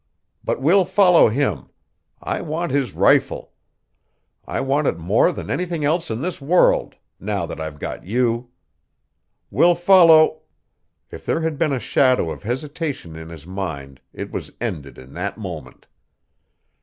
"But we'll follow him. I want his rifle. I want it more than anything else in this world, now that I've got you. We'll follow " If there had been a shadow of hesitation in his mind it was ended in that moment.